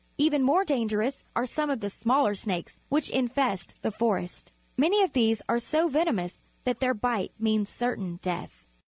Even more dangerous are some of the smaller snakes which infest the forest. Many of these are so venomous that their bite means certain death.